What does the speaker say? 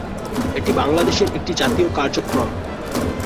এটি বাংলাদেশের একটি জাতীয় কার্যক্রম।